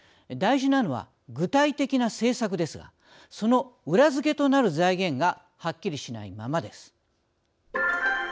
大事なのは具体的な政策ですがその裏付けとなる財源がはっきりしないままです。